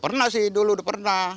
pernah sih dulu pernah